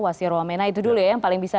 wasirul aminah itu dulu ya yang paling bisa